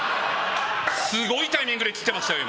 すごいタイミングで切ってましたけど。